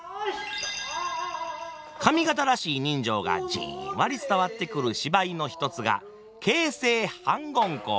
上方らしい人情がじんわり伝わってくる芝居の一つが「傾城反魂香」。